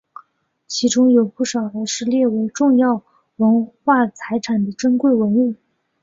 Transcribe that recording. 其中有不少是列为重要文化财产的珍贵文物。